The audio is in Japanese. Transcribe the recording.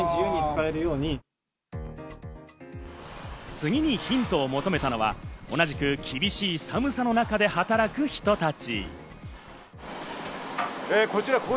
次にヒントを求めたのは、同じく厳しい寒さの中で働く人たち。